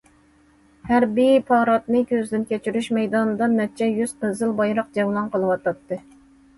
ھەربىي پاراتنى كۆزدىن كەچۈرۈش مەيدانىدا نەچچە يۈز قىزىل بايراق جەۋلان قىلىۋاتاتتى.